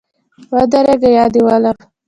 ودرېږه یا دي ولم